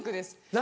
何？